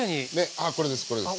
ああこれですこれです。